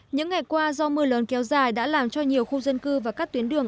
những ngày qua do mưa lớn kéo dài đã làm cho nhiều khu dân cư và các tuyến đường